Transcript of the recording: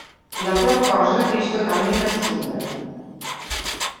La qual cosa és totalment absurda.